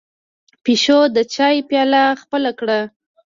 پيشو د چای پياله خپله کړه.